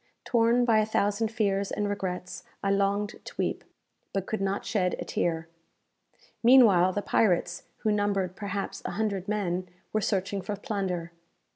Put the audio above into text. Torn by a thousand fears and regrets, I longed to weep, but could not shed a tear. Meanwhile the pirates, who numbered, perhaps, a hundred men, were searching for plunder.